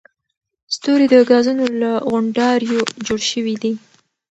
ستوري د ګازونو له غونډاریو جوړ شوي دي.